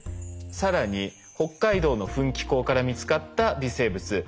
更に北海道の噴気孔から見つかった微生物。